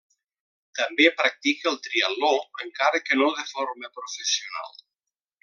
També practica el triatló, encara que no de forma professional.